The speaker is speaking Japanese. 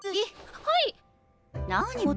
はい！